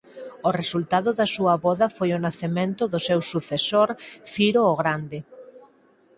O resultado da súa voda foi o nacemento do seu sucesor Ciro o Grande.